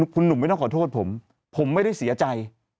คุณหนุ่มไม่ต้องขอโทษผมผมไม่ได้เสียใจ